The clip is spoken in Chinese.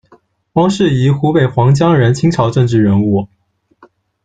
汪士仪，湖北黄江人，清朝政治人物。